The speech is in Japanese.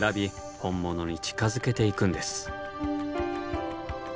本物に近づけていくんです。